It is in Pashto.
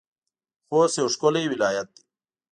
خوست يو ښکلی ولايت دی.